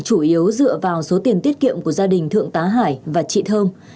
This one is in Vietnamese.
chủ yếu dựa vào số tiền tiết kiệm của gia đình thượng tá hải và chị thơm